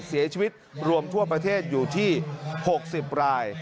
เสียชีวิตรวมทั่วประเทศอยู่ที่๖๐ราย